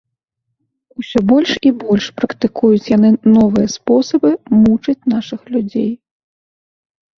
Усё больш і больш практыкуюць яны новыя спосабы мучыць нашых людзей.